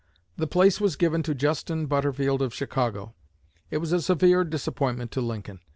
The place was given to Justin Butterfield of Chicago. It was a severe disappointment to Lincoln.